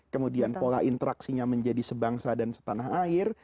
kemudian pola interaksinya menjadi sebangsa dan setanah air